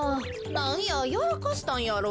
なんややらかしたんやろ。